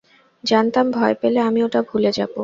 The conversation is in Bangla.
জানতাম ভয় পেলে আমি ওটা ভুলে যাবো।